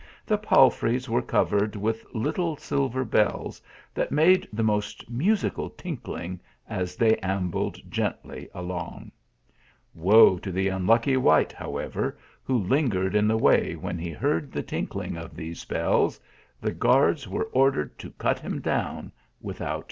The palfreys were covered with little silver bells that made the most musical tinkling as they ainbk*d gently along. Wo to the unlucky wight, "however, who lingered in the way when he heard the tinkling of these bells tho guards were ordered to cut him down without niux v.